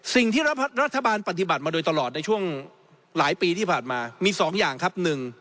สิ่งที่รัฐบาลปฏิบัติมาโดยตลอดในช่วงหลายปีที่ผ่านมามี๒อย่างครับ